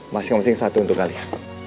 masing masing satu untuk kalian